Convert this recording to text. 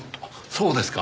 そうですか。